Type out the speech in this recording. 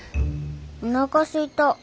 おなかすいた。